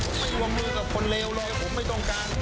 ผมไม่วงมือกับคนเลวเลยผมไม่ต้องการ